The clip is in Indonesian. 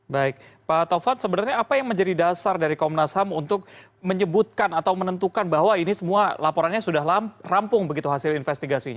baik pak taufat sebenarnya apa yang menjadi dasar dari komnas ham untuk menyebutkan atau menentukan bahwa ini semua laporannya sudah rampung begitu hasil investigasinya